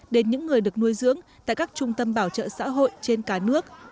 đến những người được nuôi dưỡng tại các trung tâm bảo trợ xã hội trên cả nước